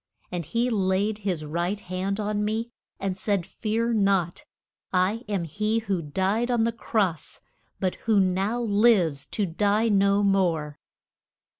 And he laid his right hand on me, and said, Fear not; I am he who died on the cross, but who now lives to die no more.